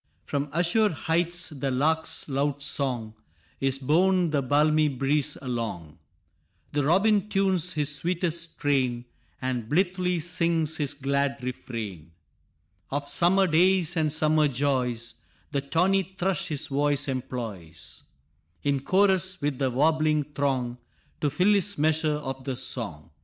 From azure heights the lark's loud song Is borne the balmy breeze along; The robin tunes his sweetest strain, And blithely sings his glad refrain Of summer days and summer joys; The tawny thrush his voice employs, In chorus with the warbling throng, To fill his measure of the song.